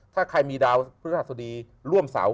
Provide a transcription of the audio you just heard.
ถ้าใครมีดาวพฤษฐศาสตรีร่วมเสา